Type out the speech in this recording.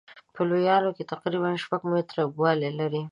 په لویانو کې تقریبا شپږ متره اوږدوالی لري.